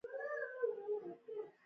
په ډیر زیار او مینه.